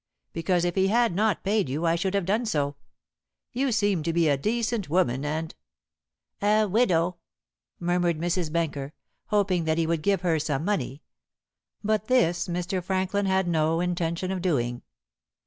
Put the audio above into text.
Because if he had not paid you I should have done so. You seem to be a decent woman and " "A widow!" murmured Mrs. Benker, hoping that he would give her some money. But this Mr. Franklin had no intention of doing.